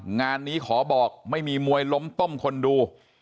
งานนี้ขอบอกไม่มีมวยล้มต้มคนดู